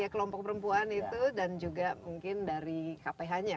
kelompok perempuan itu dan juga mungkin dari kph nya